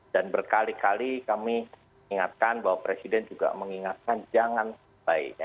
dan berkali kali kami ingatkan bahwa presiden juga mengingatkan jangan baik